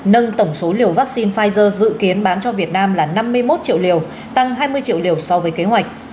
nâng tổng số liều vaccine pfizer dự kiến bán cho việt nam là năm mươi một triệu liều tăng hai mươi triệu liều so với kế hoạch